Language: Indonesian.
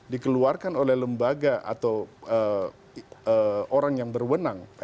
dikeluarkan oleh lembaga atau orang yang berwenang